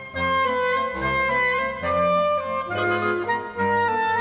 โปรดติดตามต่อไป